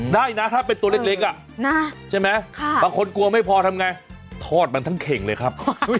ได้นะถ้าเป็นตัวเล็กใช่ไหมบางคนกลัวไม่พอทำไงทอดมันทั้งเข่งเลยครับ